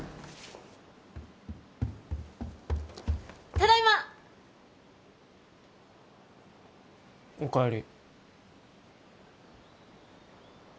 ただいまお帰り